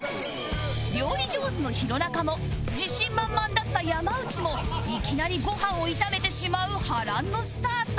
料理上手の弘中も自信満々だった山内もいきなりご飯を炒めてしまう波乱のスタート